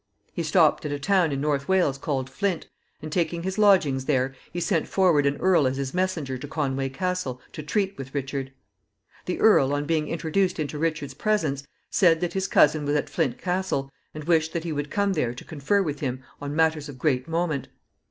He stopped at a town in North Wales called Flint, and, taking his lodgings there, he sent forward an earl as his messenger to Conway Castle to treat with Richard. The earl, on being introduced into Richard's presence, said that his cousin was at Flint Castle, and wished that he would come there to confer with him on matters of great moment.